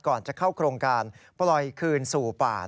ก่อนจะเข้าโครงการปล่อยคืนสู่ป่า